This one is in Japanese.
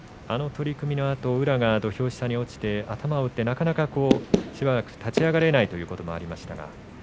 あの取組のあと宇良が土俵下に落ちて頭を打ってなかなか立ち上がれないということもありました。